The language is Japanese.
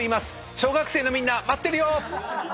小学生のみんな待ってるよ！